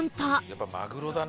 やっぱマグロだね